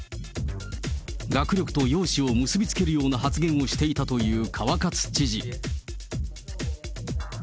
学力と容姿を結び付けるような発言をしていたという川勝知事。